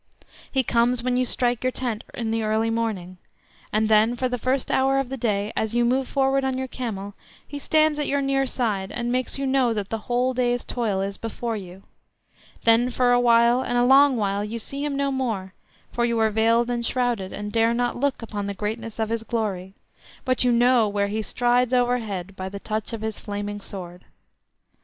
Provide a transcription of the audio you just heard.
He comes when you strike your tent in the early morning, and then, for the first hour of the day as you move forward on your camel, he stands at your near side and makes you know that the whole day's toil is before you; then for a while, and a long while, you see him no more, for you are veiled and shrouded, and dare not look upon the greatness of his glory, but you know where he strides overhead by the touch of his flaming sword.